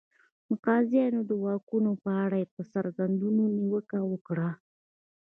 د قاضیانو د واکونو په اړه یې پر څرګندونو نیوکه وکړه.